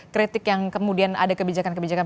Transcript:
kritik yang kemudian ada kebijakan kebijakan